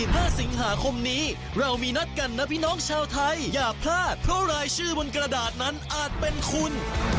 เพราะรายชื่อบนกระดาษนั้นอาจเป็นคุณ